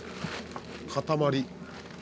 塊。